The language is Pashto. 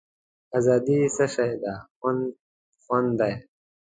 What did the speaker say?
آزادي څه شی ده خوند دی.